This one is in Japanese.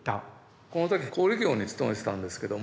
この時小売業に勤めてたんですけども。